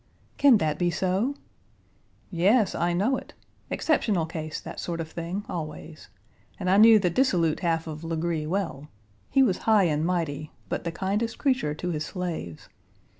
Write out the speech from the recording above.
"Can that be so?" "Yes, I know it. Exceptional case, that sort of thing, always. And I knew the dissolute half of Legree well. He Page 115 was high and mighty, but the kindest creature to his slaves.